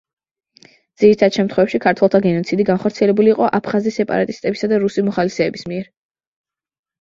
ძირითად შემთხვევებში ქართველთა გენოციდი განხორციელებული იყო აფხაზი სეპარატისტებისა და რუსი მოხალისეების მიერ.